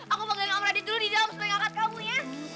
aku panggil kamu radit dulu di dalam supaya ngangkat kamu ya